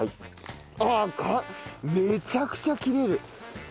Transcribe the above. あっめちゃくちゃ切れる。